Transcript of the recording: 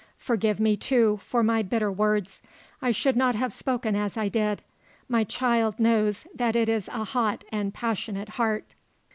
Forgive me, too, for my bitter words. I should not have spoken as I did. My child knows that it is a hot and passionate heart."